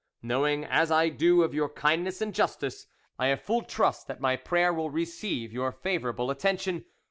Knowing as I do of your kindness and justice, I have full trust that my prayer will receive your favourable attention.